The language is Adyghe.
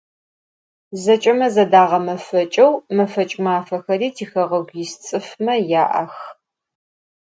Zeç'eme zedağemefeç'eu mefeç' mafexeri tixeğegu yis ts'ıfme ya'ex.